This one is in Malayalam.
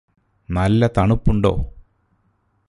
നല്ല തണുപ്പുണ്ടോ